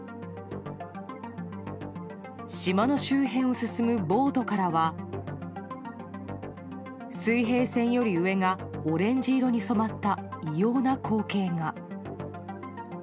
島の周辺を進むボートからは水平線より上が、オレンジ色に染まった異様な光景が。